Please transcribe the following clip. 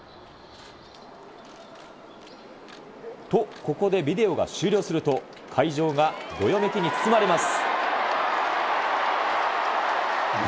と、ここでビデオが終了すると、会場がどよめきに包まれます。